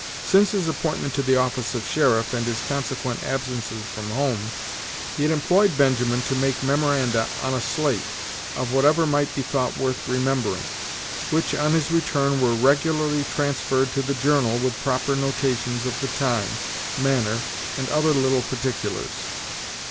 Since his appointment to the office of sheriff and his consequent absences from home, he had employed Benjamin to make memoranda on a slate, of whatever might be thought worth remembering, which, on his return, were regularly transferred to the journal with proper notations of the time, manner, and other little particulars.